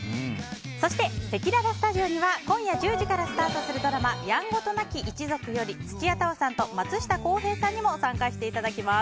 そして、せきららスタジオには今夜１０時からスタートするドラマ「やんごとなき一族」より土屋太鳳さんと松下洸平さんにも参加していただきます。